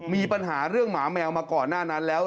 มีปัญหาเรื่องหมาแมวมาก่อนหน้านั้นแล้ว